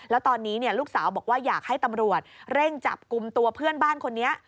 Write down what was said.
แล้วตอนนี้ลูกสาวบอกว่าอยากให้ตำรวจเร่งจับกลุ่มตัวเพื่อนบ้านคนนี้